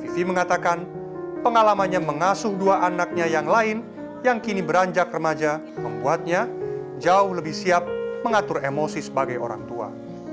vivi mengatakan pengalamannya mengasuh dua anaknya yang lain yang kini beranjak remaja membuatnya jauh lebih siap mengatur emosi sebagai orang tua